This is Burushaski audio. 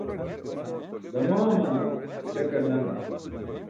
Damaamana śakar nana.